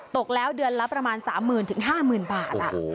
ตกแล้วเดือนละประมาณสามหมื่นถึงห้าหมื่นบาทโอ้โห